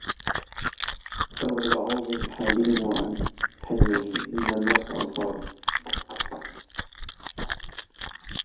أَوَّلُ عِوَضِ الْحَلِيمِ عَنْ حِلْمِهِ أَنَّ النَّاسَ أَنْصَارُهُ